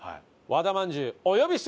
和田まんじゅうです。